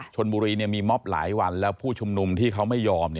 ชนบุรีมีมอบหลายวันแล้วผู้ชุมนุมที่เขาไม่ยอม